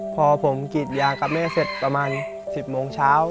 พอผมกรีดยางกับแม่เสร็จประมาณ๑๐โมงเช้า